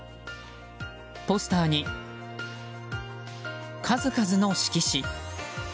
ポスターに数々の色紙。